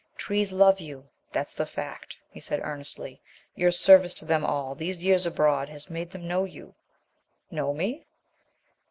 "Trees love you, that's the fact," he said earnestly. "Your service to them all these years abroad has made them know you." "Know me?"